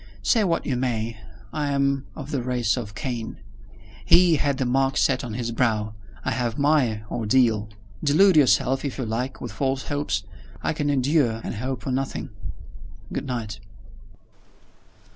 Say what you may, I am of the race of Cain. He had the mark set on his brow. I have my ordeal. Delude yourself, if you like, with false hopes. I can endure and hope for nothing. Good night."